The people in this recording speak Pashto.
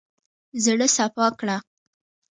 زړه سپا کړه.